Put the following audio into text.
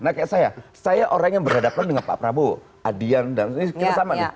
nah kayak saya saya orang yang berhadapan dengan pak prabowo adian dan kita sama nih